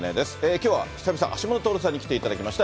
きょうは久々、橋下徹さんに来ていただきました。